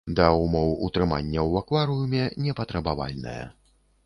Да ўмоў утрымання ў акварыуме непатрабавальная.